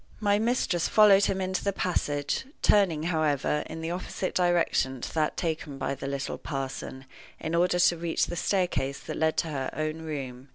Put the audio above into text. My mistress followed him into the passage, turning, however, in the opposite direction to that taken by the little parson, in order to reach the staircase that led to her own room.